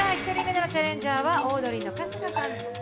１人目のチャレンジャーはオードリーの春日さん。